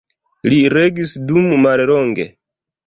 Li regis dum mallonge.